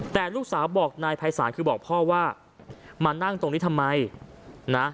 แต่ลูกสาวบอกนายภัยศาลคือบอกพ่อว่ามานั่งตรงนี้ทำไมนะ